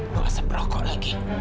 tidak seberokok lagi